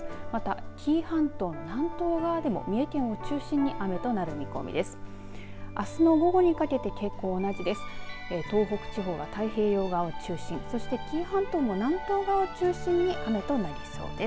また、紀伊半島の南東側でも三重県を中心に雨となる見込みです。